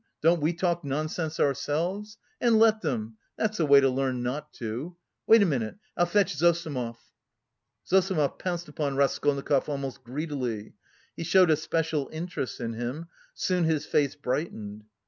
Don't we talk nonsense ourselves? And let them... that's the way to learn not to!... Wait a minute, I'll fetch Zossimov." Zossimov pounced upon Raskolnikov almost greedily; he showed a special interest in him; soon his face brightened.